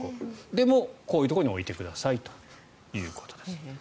でも、こういうところに置いてくださいということです。